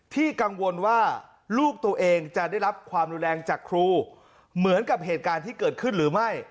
กังวลว่าลูกตัวเองจะได้รับความรุนแรงจากครูเหมือนกับเหตุการณ์ที่เกิดขึ้นหรือไม่